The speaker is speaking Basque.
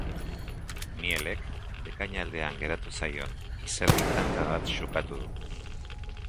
Mielek bekain aldean geratu zaion izerdi tanta bat xukatu du.